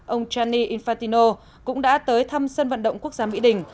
ông gianni infantino cũng đã tới thăm sân vận động quốc gia mỹ đình